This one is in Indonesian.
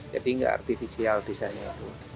jadi nggak artifisial desanya itu